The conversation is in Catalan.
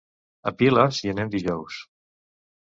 A Piles hi anem dijous.